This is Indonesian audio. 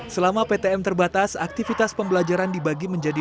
selama ptm terbatas aktivitas pembelajaran dibagi menjadi